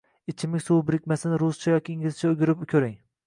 Ichimlik suv birikmasini ruscha yoki inglizchaga oʻgirib koʻring